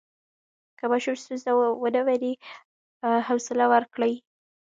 که ماشوم ستونزه ونه مني، حوصله ورکړئ.